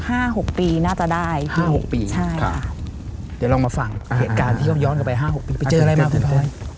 หกปีน่าจะได้ห้าหกปีใช่ค่ะเดี๋ยวลองมาฟังเหตุการณ์ที่เขาย้อนกลับไปห้าหกปีไปเจออะไรมาคุณพลอย